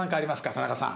田中さん。